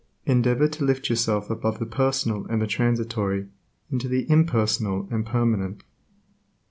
Endeavor to lift yourself above the personal and the transitory into the impersonal and permanent.